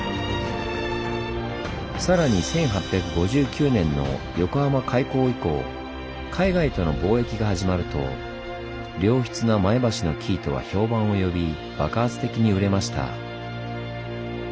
さらに１８５９年の横浜開港以降海外との貿易が始まると良質な前橋の生糸は評判を呼び爆発的に売れました。